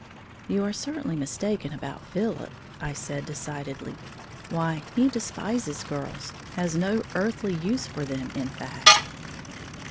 "You are certainly mistaken about Philip," I said decidedly, "why, he despises girls, has no earthly use for them, in fact."